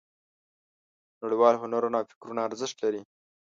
نړیوال هنرونه او فکرونه ارزښت لري.